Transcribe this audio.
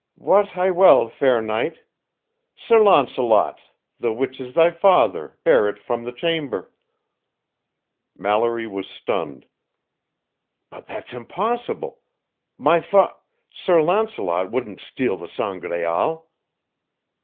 "Wot I well, fair knight. Sir Launcelot, the which is thy father, bare it from the chamber." Mallory was stunned. "But that's impossible! My fa Sir Launcelot wouldn't steal the Sangraal!"